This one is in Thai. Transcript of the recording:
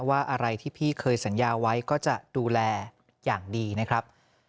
อะไรที่พี่เคยสัญญาไว้ก็จะดูแลอย่างดีนะครับ